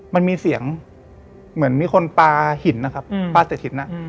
มันมีเสียงเหมือนมีคนปลาหินปลาเศษหิน